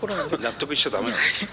納得しちゃ駄目なんですよ。